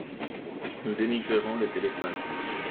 Nous dénigrerons le téléphone.